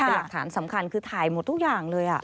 เป็นหลักฐานสำคัญคือถ่ายหมดทุกอย่างเลย